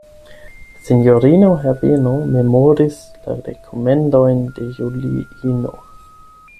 Sinjorino Herbeno memoris la rekomendojn de Juliino.